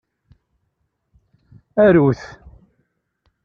Aru-t.